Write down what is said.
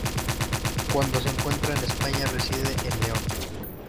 Cuando se encuentra en España reside en León.